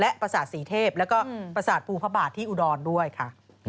และประสาทศรีเทพแล้วก็ประสาทภูพระบาทที่อุดรด้วยค่ะ